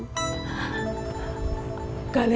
supaya suami ibu tuh lekas pulang